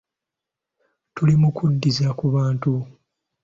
Tuli mu kuddiza ku bantu.